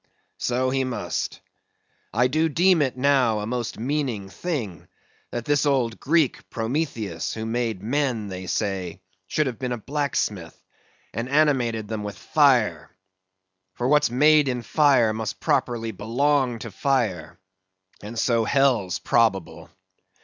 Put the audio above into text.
So he must. I do deem it now a most meaning thing, that that old Greek, Prometheus, who made men, they say, should have been a blacksmith, and animated them with fire; for what's made in fire must properly belong to fire; and so hell's probable.